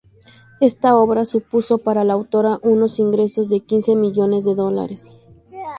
Esta obra supuso para la autora unos ingresos de quince millones de dólares.